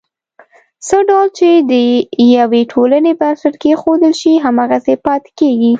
څه ډول چې د یوې ټولنې بنسټ کېښودل شي، هماغسې پاتې کېږي.